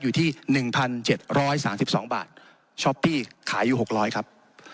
อยู่ที่หนึ่งพันเจ็ดร้อยสามสิบสองบาทช้อปปี้ขายอยู่หกร้อยครับ